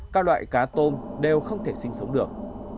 các loại cá tôm đều không thể sinh sống được